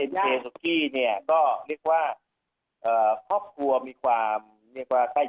นะครับเนี้ยก็เรียกว่าเอ่อครอบครัวมีความเรียกว่าใกล้